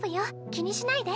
気にしないで。